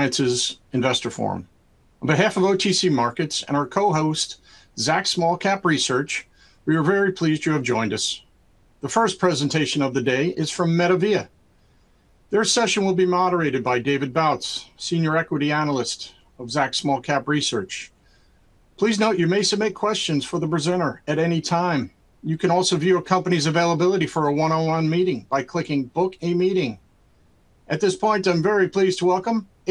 Sciences Investor Forum. On behalf of OTC Markets and our co-host, Zacks Small-Cap Research, we are very pleased you have joined us. The first presentation of the day is from MetaVia. Their session will be moderated by David Bautz, senior equity analyst of Zacks Small-Cap Research. Please note you may submit questions for the presenter at any time. You can also view a company's availability for a one-on-one meeting by clicking Book a Meeting. At this point, I'm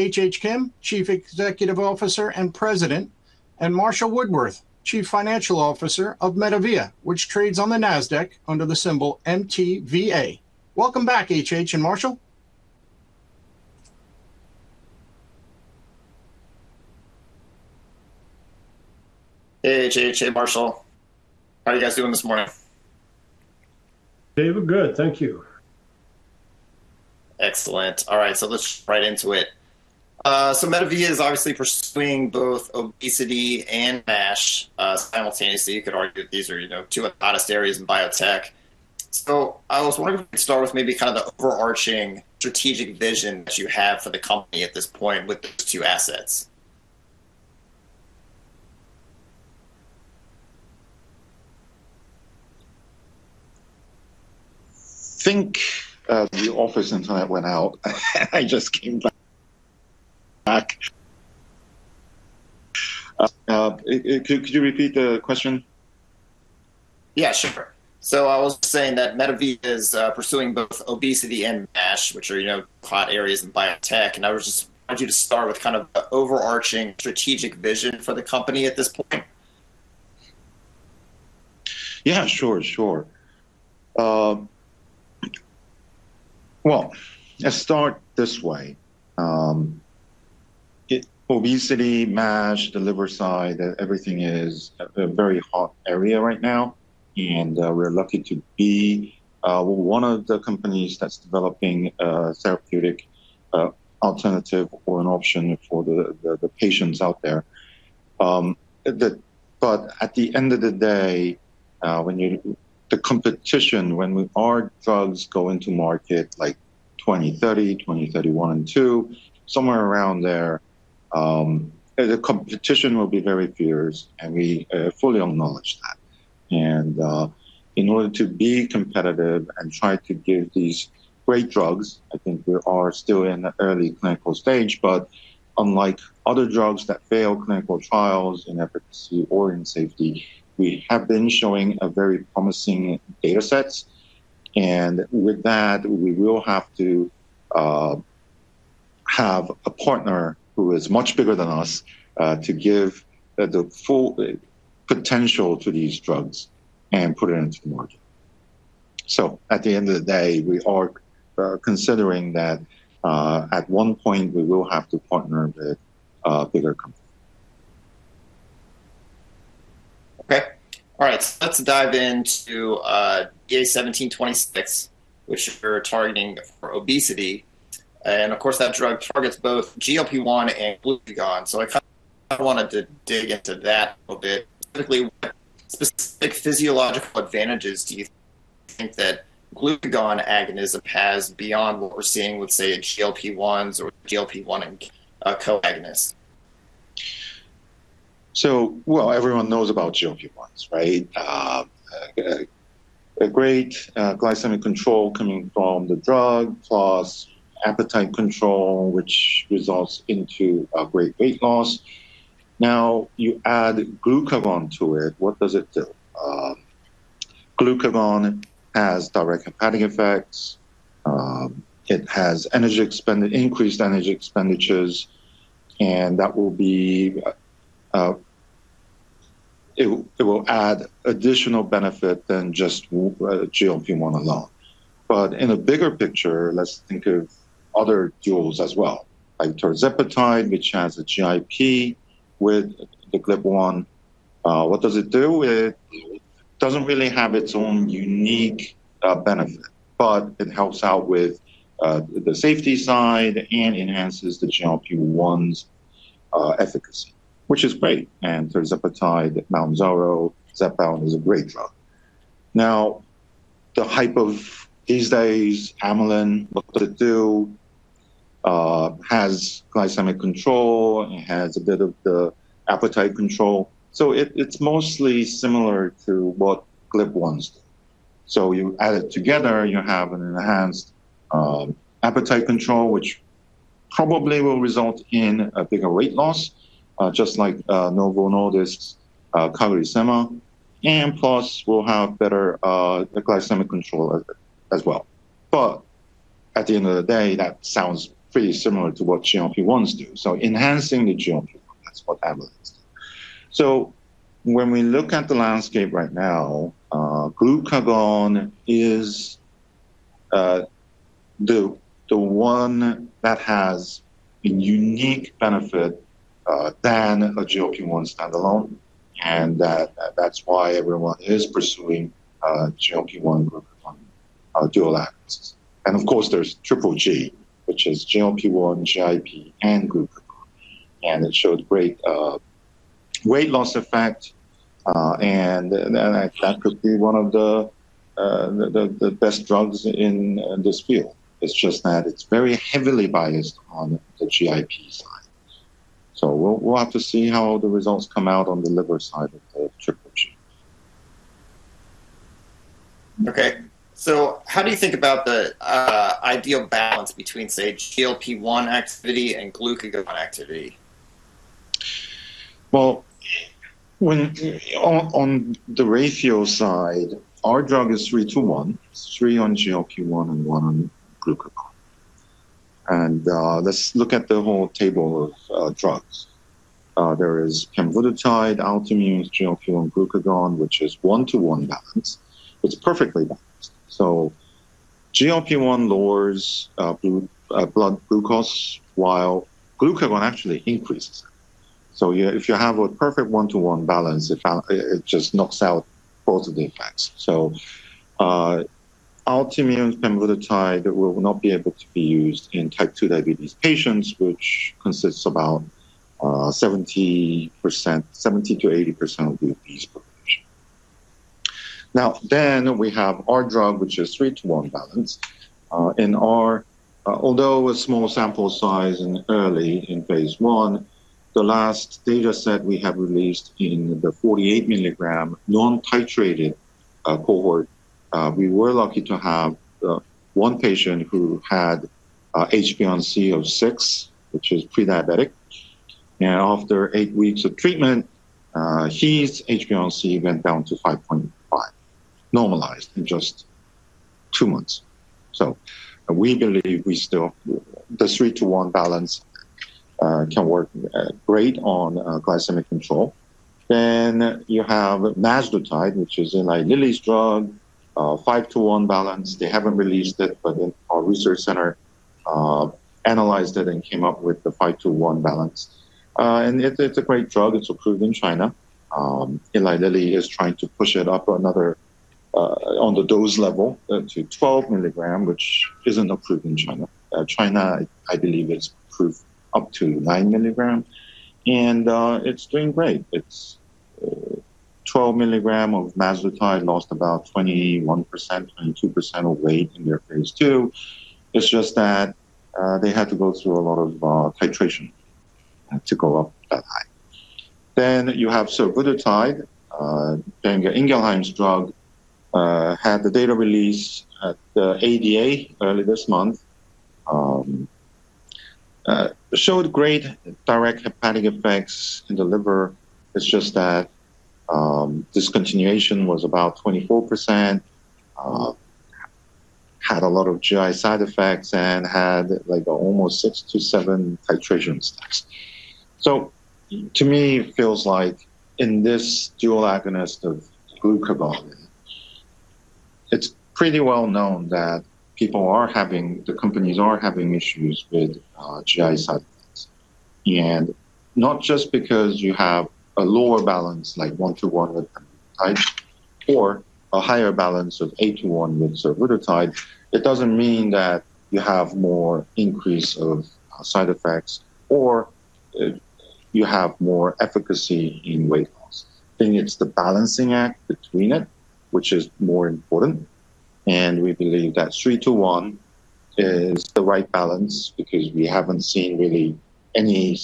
very pleased to welcome HH Kim, Chief Executive Officer and President, and Marshall Woodworth, Chief Financial Officer of MetaVia, which trades on the NASDAQ under the symbol MTVA. Welcome back, HH and Marshall. Hey, HH and Marshall. How are you guys doing this morning? David, good. Thank you. Excellent. All right, let's get right into it. MetaVia is obviously pursuing both obesity and MASH simultaneously. You could argue that these are two hottest areas in biotech. I was wondering if we could start with maybe kind of the overarching strategic vision that you have for the company at this point with these two assets. I think the office internet went out. I just came back. Could you repeat the question? Yeah, sure. I was saying that MetaVia is pursuing both obesity and MASH, which are hot areas in biotech, wanted you to start with kind of the overarching strategic vision for the company at this point. Yeah, sure. Well, let's start this way. Obesity, MASH, the liver side, everything is a very hot area right now, we're lucky to be one of the companies that's developing a therapeutic alternative or an option for the patients out there. At the end of the day, the competition, when our drugs go into market like 2030, 2031 and 2032, somewhere around there, the competition will be very fierce we fully acknowledge that. In order to be competitive and try to give these great drugs, I think we are still in the early clinical stage, but unlike other drugs that fail clinical trials in efficacy or in safety, we have been showing a very promising data sets. With that, we will have to have a partner who is much bigger than us, to give the full potential to these drugs and put it into the market. At the end of the day, we are considering that, at one point, we will have to partner with a bigger company. Okay. All right. Let's dive into DA-1726, which we're targeting for obesity, and of course, that drug targets both GLP-1 and glucagon. I kind of wanted to dig into that a bit. Specifically, what specific physiological advantages do you think that glucagon agonism has beyond what we're seeing with, say, a GLP-1s or GLP-1 co-agonists? Well, everyone knows about GLP-1s, right? A great glycemic control coming from the drug, plus appetite control, which results into a great weight loss. You add glucagon to it, what does it do? Glucagon has direct hepatic effects. It has increased energy expenditures, and it will add additional benefit than just GLP-1 alone. In a bigger picture, let's think of other duos as well, like tirzepatide, which has the GIP with the GLP-1. What does it do? It doesn't really have its own unique benefit, but it helps out with the safety side and enhances the GLP-1's efficacy, which is great. tirzepatide, MOUNJARO, Zepbound, is a great drug. The hype of these days, amylin, what does it do? Has glycemic control, it has a bit of the appetite control. It's mostly similar to what GLP-1s do. You add it together, you have an enhanced appetite control, which probably will result in a bigger weight loss, just like Novo Nordisk's CagriSema, and plus will have better glycemic control as well. At the end of the day, that sounds pretty similar to what GLP-1s do. Enhancing the GLP-1, that's what amylin does. When we look at the landscape right now, glucagon is the one that has a unique benefit than a GLP-1 standalone. That's why everyone is pursuing a GLP-1 glucagon dual actions. Of course there's triple G, which is GLP-1, GIP, and glucagon. It showed great weight loss effect, and that could be one of the best drugs in this field. It's just that it's very heavily biased on the GIP side. We'll have to see how the results come out on the liver side of the triple G. Okay. How do you think about the ideal balance between, say, GLP-1 activity and glucagon activity? Well, on the ratio side, our drug is 3:1, three on GLP-1 and one on glucagon. Let's look at the whole table of drugs. There is pemvidutide, Altimmune, GLP-1 glucagon, which is 1:1 balance. It's perfectly balanced. GLP-1 lowers blood glucose, while glucagon actually increases it. If you have a perfect 1:1 balance, it just knocks out both of the effects. Altimmune, pemvidutide will not be able to be used in type 2 diabetes patients, which consists about 70%-80% of the obese population. We have our drug, which is 3:1 balance. Although a small sample size and early in phase I, the last data set we have released in the 48 mg non-titrated cohort, we were lucky to have one patient who had HbA1c of six, which is pre-diabetic. After eight weeks of treatment, his HbA1c went down to 5.5, normalized in just two months. We believe the 3:1 balance can work great on glycemic control. You have tirzepatide, which is Eli Lilly's drug, 5:1 balance. They haven't released it, our research center analyzed it and came up with the 5:1 balance. It's a great drug. It's approved in China. Eli Lilly is trying to push it up another on the dose level to 12 mg, which isn't approved in China. China, I believe, is approved up to 9 mg. It's doing great. It's 12 mg of tirzepatide lost about 21%-22% of weight in their phase II. It's just that they had to go through a lot of titration to go up that high. You have survodutide, Boehringer Ingelheim's drug, had the data release at the ADA early this month. Showed great direct hepatic effects in the liver. It's just that discontinuation was about 24%, had a lot of GI side effects, and had almost six to seven titration stacks. To me, it feels like in this dual agonist of glucagon, it's pretty well known that the companies are having issues with GI side effects. Not just because you have a lower balance like 1:1 with semaglutide or a higher balance of 8:1 with survodutide, it doesn't mean that you have more increase of side effects or you have more efficacy in weight loss. I think it's the balancing act between it, which is more important, and we believe that 3:1 is the right balance because we haven't seen really any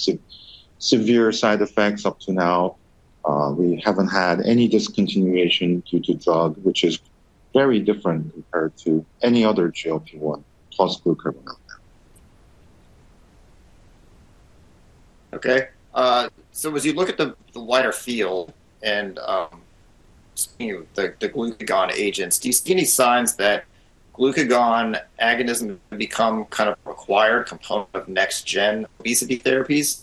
severe side effects up to now. We haven't had any discontinuation due to drug, which is very different compared to any other GLP-1 plus glucagon out there. Okay. As you look at the wider field and the glucagon agents, do you see any signs that glucagon agonism become kind of required component of next-gen obesity therapies?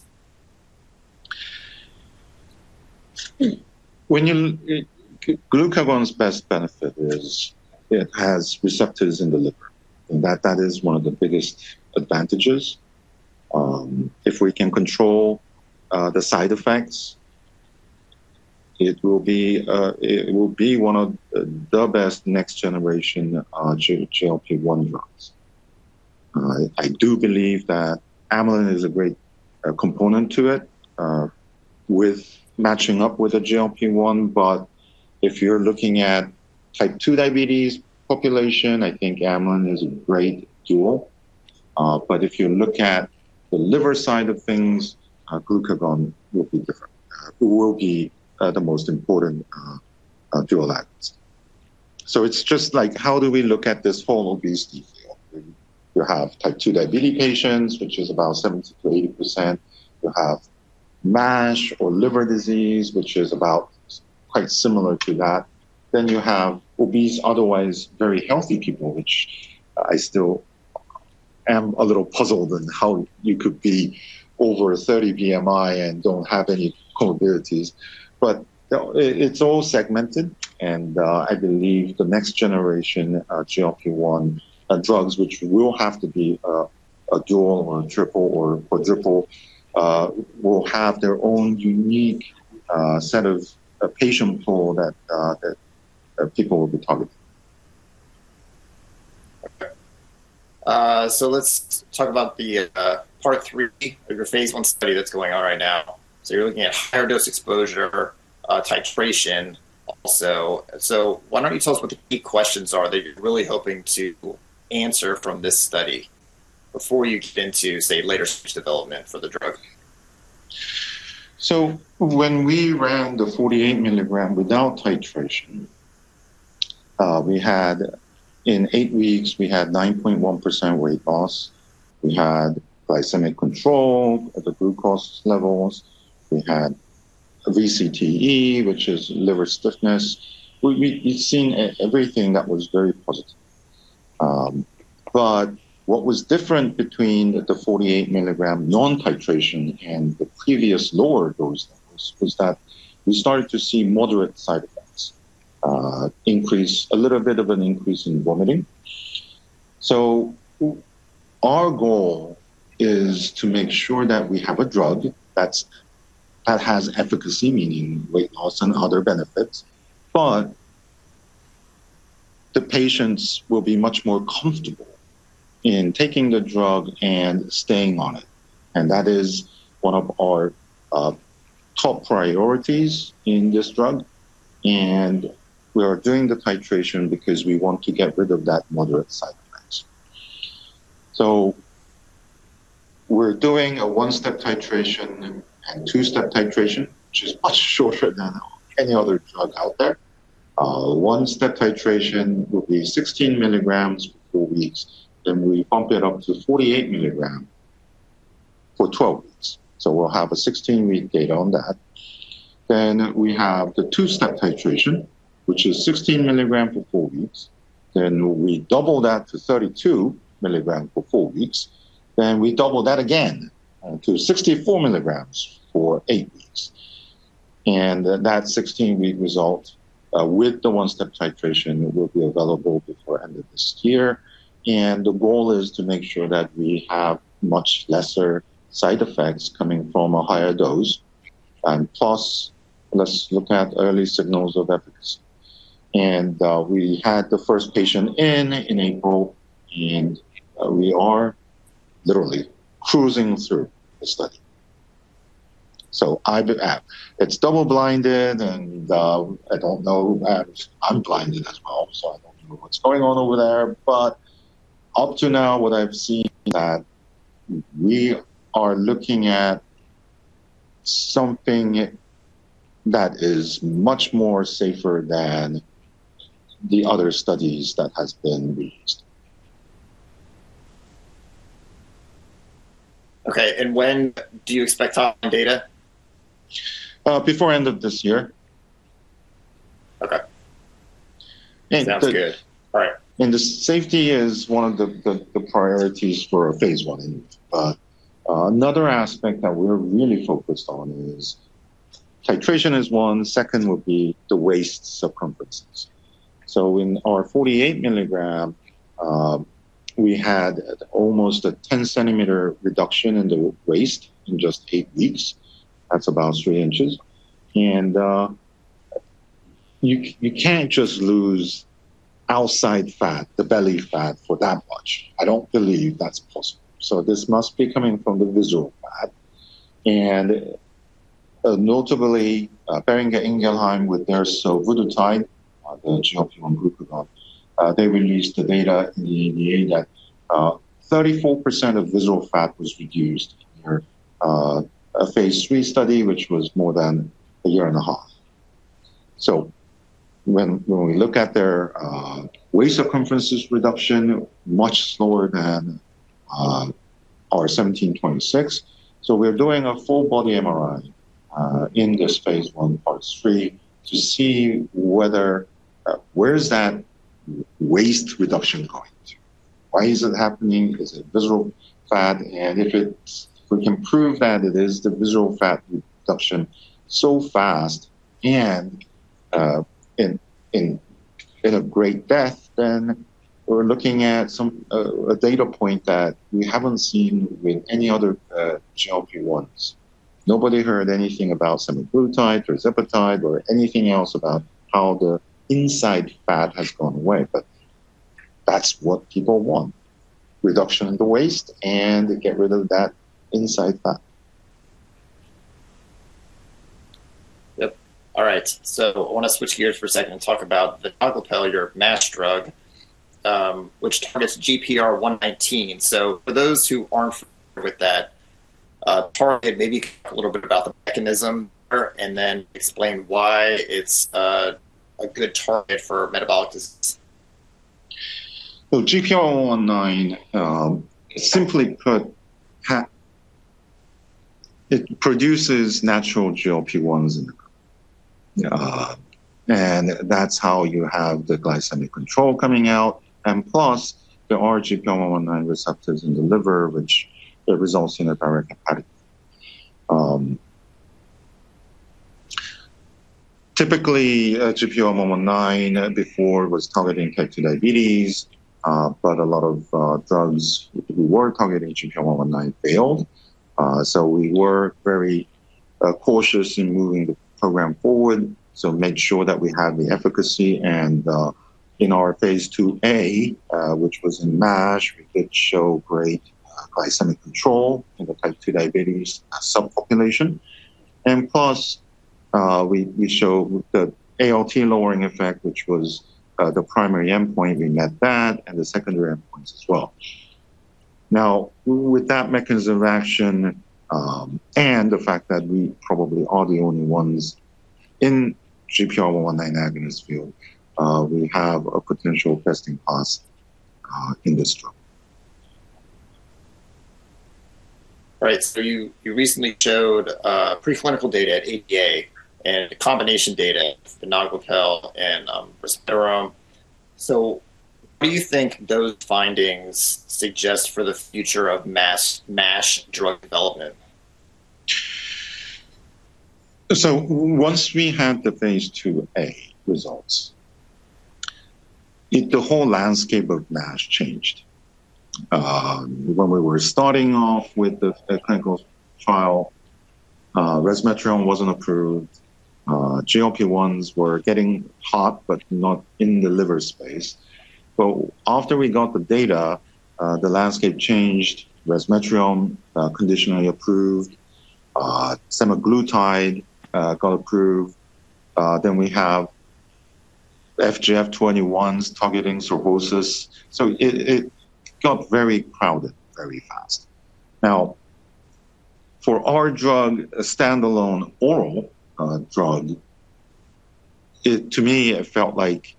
Glucagon's best benefit is it has receptors in the liver, and that is one of the biggest advantages. If we can control the side effects, it will be one of the best next generation GLP-1 drugs. I do believe that amylin is a great component to it with matching up with a GLP-1. But if you're looking at type 2 diabetes population, I think amylin is a great duo. But if you look at the liver side of things, glucagon will be different. It will be the most important dual agonist. It's just like how do we look at this whole obesity field? You have type 2 diabetes patients, which is about 70%-80%. You have MASH or liver disease, which is about quite similar to that. You have obese, otherwise very healthy people, which I still am a little puzzled in how you could be over a 30 BMI and don't have any comorbidities. It's all segmented, and I believe the next generation GLP-1 drugs, which will have to be a dual or triple or quadruple, will have their own unique set of patient pool that people will be targeting. Let's talk about the part three of your phase I study that's going on right now. You're looking at higher dose exposure, titration also. Why don't you tell us what the key questions are that you're really hoping to answer from this study before you get into, say, later stage development for the drug? When we ran the 48 mg without titration, in eight weeks, we had 9.1% weight loss. We had glycemic control of the glucose levels. We had VCTE, which is liver stiffness. We've seen everything that was very positive. What was different between the 48 mg non-titration and the previous lower dose levels was that we started to see moderate side effects, a little bit of an increase in vomiting. Our goal is to make sure that we have a drug that has efficacy, meaning weight loss and other benefits, but the patients will be much more comfortable in taking the drug and staying on it, and that is one of our top priorities in this drug. We are doing the titration because we want to get rid of that moderate side effects. We're doing a one-step titration and two-step titration, which is much shorter than any other drug out there. One-step titration will be 16 mg for four weeks, then we pump it up to 48 mg for 12 weeks. We'll have a 16-week data on that. Then we have the two-step titration, which is 16 mg for four weeks. Then we double that to 32 mg for four weeks. Then we double that again to 64 mg for eight weeks. That 16-week result with the one-step titration will be available before end of this year. The goal is to make sure that we have much lesser side effects coming from a higher dose. Plus, let's look at early signals of efficacy. We had the first patient in in April, and we are literally cruising through the study. It's double-blinded, and I don't know. I'm blinded as well, so I don't know what's going on over there. Up to now, what I've seen that we are looking at something that is much more safer than the other studies that has been released. When do you expect to have data? Before end of this year. Okay. Sounds good. All right. The safety is one of the priorities for a phase I. Another aspect that we're really focused on is titration is one, second would be the waist circumferences. In our 48-mg, we had almost a 10 cm reduction in the waist in just eight weeks. That's about three inches. You can't just lose outside fat, the belly fat for that much. I don't believe that's possible. This must be coming from the visceral fat. Notably, Boehringer Ingelheim with their survodutide, the GLP-1 group, they released the data in the ADA. 34% of visceral fat was reduced in their phase III study, which was more than a year and a half. When we look at their waist circumferences reduction, much slower than our 17.6. We're doing a full body MRI in this phase I, part three to see where is that waist reduction going. Why is it happening? Is it visceral fat? If we can prove that it is the visceral fat reduction so fast and in a great depth, then we're looking at a data point that we haven't seen with any other GLP-1s. Nobody heard anything about semaglutide or tirzepatide or anything else about how the inside fat has gone away. That's what people want, reduction in the waist and get rid of that inside fat. Yep. All right. I want to switch gears for a second and talk about the DA-1241, your MASH drug, which targets GPR119. For those who aren't familiar with that target, maybe a little bit about the mechanism and then explain why it's a good target for metabolic disease. Well, GPR119, simply put, it produces natural GLP-1s in the gut. That's how you have the glycemic control coming out. Plus, there are GPR119 receptors in the liver, which it results in hepatic lipogenesis. Typically, GPR119 before was targeted in type 2 diabetes. A lot of drugs who were targeting GPR119 failed. We were very cautious in moving the program forward, so make sure that we have the efficacy. In our phase IIa, which was in MASH, we did show great glycemic control in the type 2 diabetes subpopulation. Plus, we show the ALT lowering effect, which was the primary endpoint. We met that and the secondary endpoints as well. With that mechanism of action, and the fact that we probably are the only ones in GPR119 agonist field, we have a potential best-in-class in this drug. Right. You recently showed preclinical data at APASL and the combination data, vanoglipel and resmetirom. What do you think those findings suggest for the future of MASH drug development? Once we had the phase IIa results, the whole landscape of MASH changed. When we were starting off with the clinical trial, resmetirom wasn't approved. GLP-1s were getting hot, but not in the liver space. After we got the data, the landscape changed. Resmetirom, conditionally approved. Semaglutide, got approved. We have FGF21's targeting cirrhosis. It got very crowded very fast. For our drug, a standalone oral drug, to me, it felt like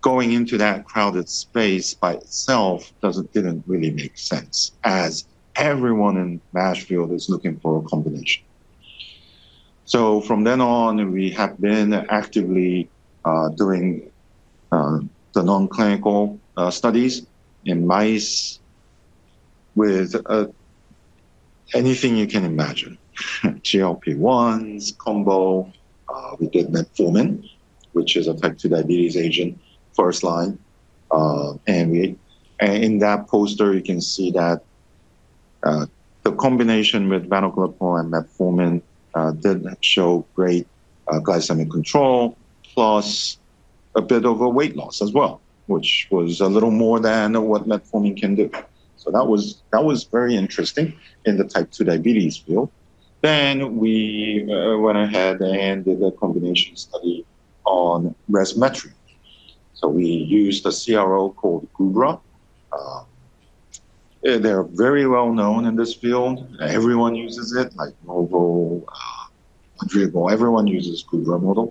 going into that crowded space by itself didn't really make sense, as everyone in MASH field is looking for a combination. From then on, we have been actively doing the non-clinical studies in mice with anything you can imagine, GLP-1s combo. We did metformin, which is a type 2 diabetes agent, first line. In that poster, you can see that the combination with vanoglipel and metformin did show great glycemic control plus a bit of a weight loss as well, which was a little more than what metformin can do. That was very interesting in the type 2 diabetes field. We went ahead and did a combination study on resmetirom. We used a CRO called Gubra. They're very well known in this field. Everyone uses it, like Novo Nordisk, Eli Lilly and Company, everyone uses Gubra model.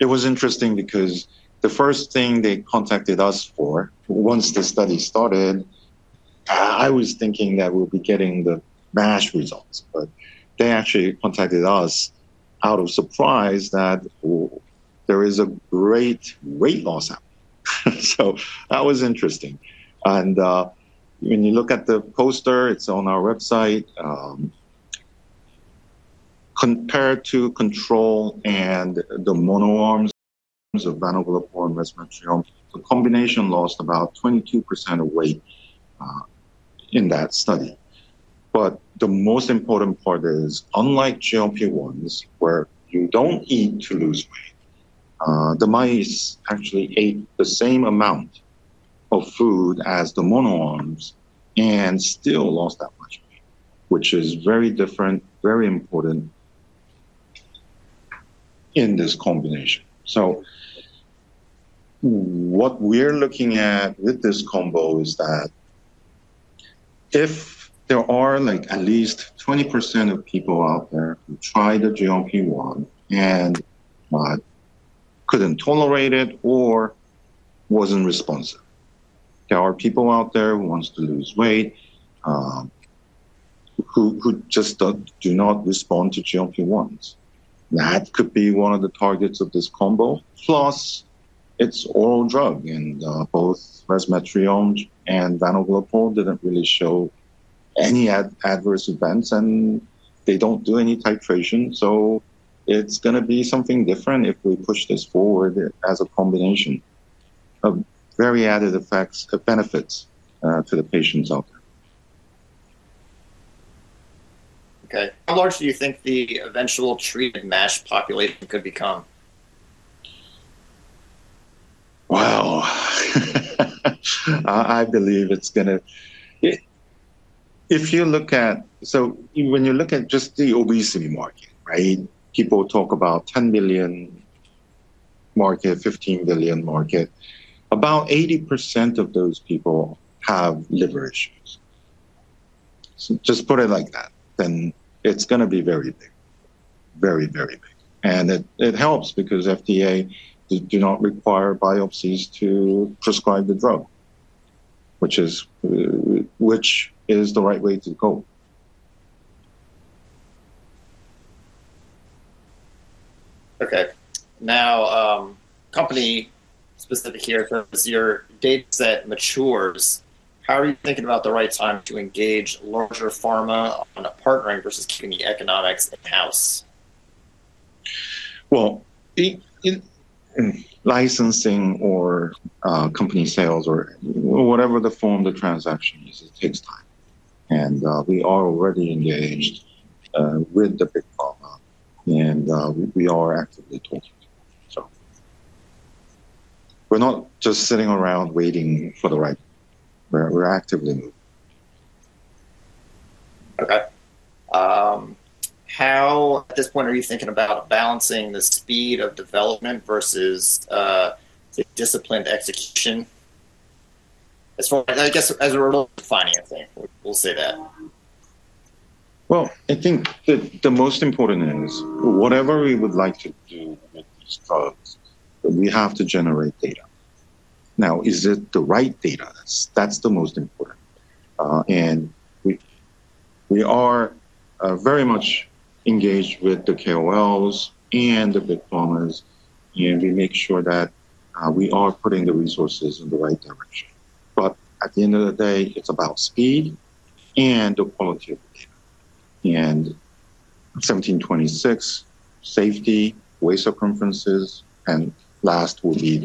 It was interesting because the first thing they contacted us for, once the study started, I was thinking that we'll be getting the MASH results, but they actually contacted us out of surprise that there is a great weight loss happening. That was interesting. When you look at the poster, it's on our website. Compared to control and the mono arms of vanoglipel and resmetirom, the combination lost about 22% of weight in that study. The most important part is, unlike GLP-1s, where you don't eat to lose weight, the mice actually ate the same amount of food as the mono arms and still lost that much weight, which is very different, very important in this combination. What we're looking at with this combo is that if there are at least 20% of people out there who tried the GLP-1 and couldn't tolerate it or wasn't responsive. There are people out there who wants to lose weight, who just do not respond to GLP-1s. That could be one of the targets of this combo. Plus, it's oral drug, and both resmetirom and vanoglipel didn't really show any adverse events, and they don't do any titration. It's going to be something different if we push this forward as a combination. Very added effects of benefits to the patients out there. Okay. How large do you think the eventual treatment MASH population could become? Wow. When you look at just the obesity market, people talk about $10 billion market, $15 billion market. About 80% of those people have liver issues. Just put it like that, then it's going to be very big. Very, very big. It helps because FDA do not require biopsies to prescribe the drug, which is the right way to go. Okay. Now, company-specific here. As your data set matures, how are you thinking about the right time to engage larger pharma on a partnering versus keeping the economics in-house? Well, in-licensing or company sales or whatever the form the transaction is, it takes time. We are already engaged with the big pharma, and we are actively talking. We're not just sitting around waiting for the right partner. We're actively moving. Okay. How, at this point, are you thinking about balancing the speed of development versus the disciplined execution? As far, I guess, as a real financing, we'll say that. Well, I think the most important is whatever we would like to do with these drugs, we have to generate data. Now, is it the right data? That's the most important. We are very much engaged with the KOLs and the big pharmas, and we make sure that we are putting the resources in the right direction. At the end of the day, it's about speed and the quality of data. DA-1726 safety, waist circumferences, and last will be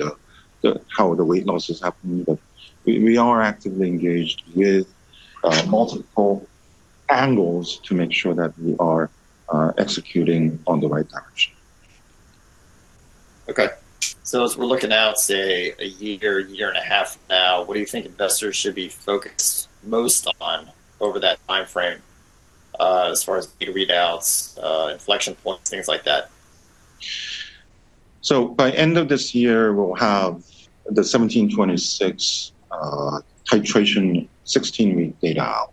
how the weight loss is happening. We are actively engaged with multiple angles to make sure that we are executing on the right direction. As we're looking out, say, a year and a half from now, what do you think investors should be focused most on over that timeframe, as far as data readouts, inflection points, things like that? By end of this year, we'll have the DA-1726 titration 16-week data out.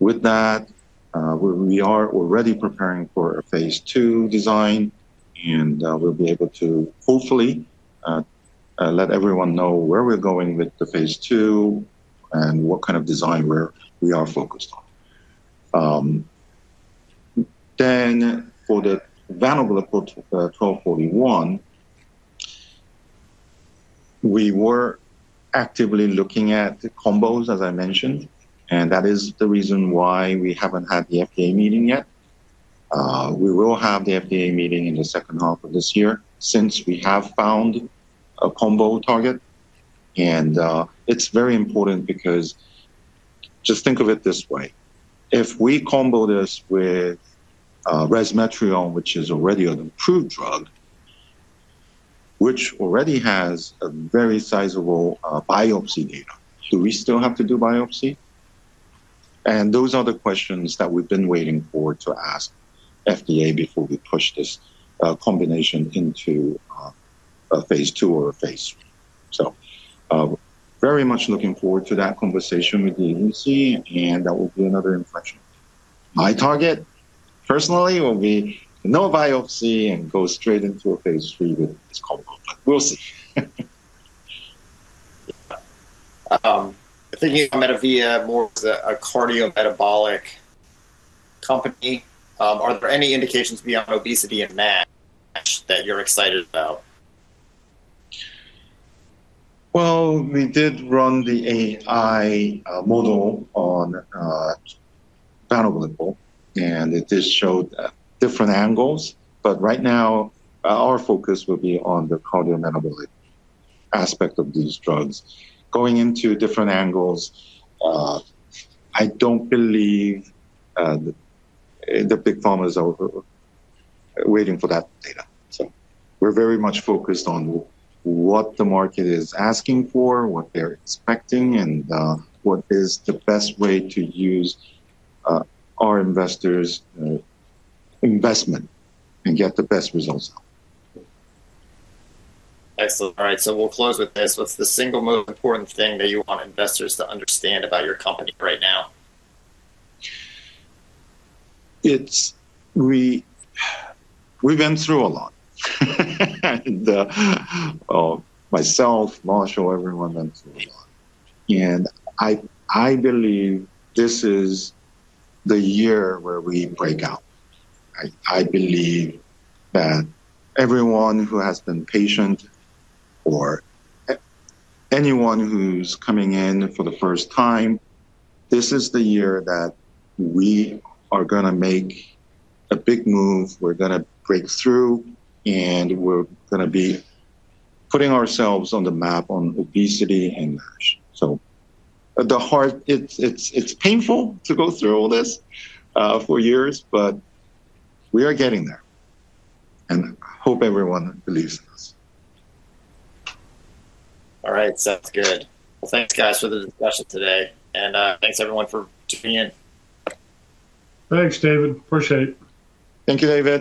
With that, we are already preparing for a phase II design, and we'll be able to hopefully let everyone know where we're going with the phase II and what kind of design we are focused on. For the vanoglipel 1241, we were actively looking at the combos, as I mentioned, and that is the reason why we haven't had the FDA meeting yet. We will have the FDA meeting in the second half of this year since we have found a combo target, and it's very important because just think of it this way. If we combo this with resmetirom, which is already an approved drug, which already has a very sizable biopsy data, do we still have to do biopsy? Those are the questions that we've been waiting for to ask FDA before we push this combination into a phase II or a phase III. Very much looking forward to that conversation with the agency, and that will be another inflection. My target personally will be no biopsy and go straight into a phase III with this combo, but we'll see. Yeah. Thinking of MetaVia more of as a cardiometabolic company, are there any indications beyond obesity and NASH that you're excited about? We did run the AI model on vanoglipel, it just showed different angles. Right now, our focus will be on the cardiometabolic aspect of these drugs. Going into different angles, I don't believe the big Pharmas are waiting for that data. We're very much focused on what the market is asking for, what they're expecting, and what is the best way to use our investors' investment and get the best results. Excellent. All right. We'll close with this. What's the single most important thing that you want investors to understand about your company right now? We've been through a lot. Myself, Marshall, everyone been through a lot. I believe this is the year where we break out. I believe that everyone who has been patient or anyone who's coming in for the first time, this is the year that we are going to make a big move, we're going to break through, and we're going to be putting ourselves on the map on obesity and NASH. The heart, it's painful to go through all this for years, but we are getting there, and I hope everyone believes in us. All right. Sounds good. Thanks, guys, for the discussion today, thanks everyone for tuning in. Thanks, David. Appreciate it. Thank you, David.